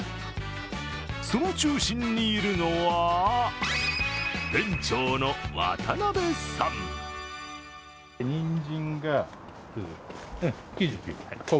その中心にいるのは店長の渡邉さん。